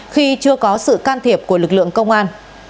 khi chưa có sự can thiệp của lực lượng công an